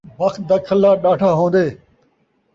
بخت دا کھلا ݙاڈھا ہوندے